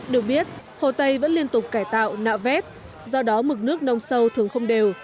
được biết hồ tây vẫn liên tục cải tạo nạo vét do đó mực nước nông sâu thường không đều